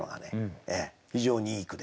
非常にいい句で。